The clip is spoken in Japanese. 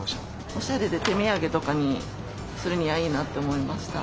おしゃれで手土産とかにするにはいいなって思いました。